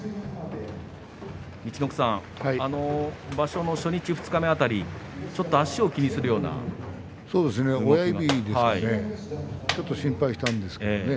陸奥さん、場所の初日、二日目辺りちょっと足を気にするようなしぐさがありましたね。